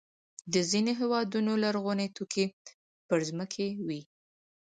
د ځینو هېوادونو لرغوني توکي پر ځمکې وي.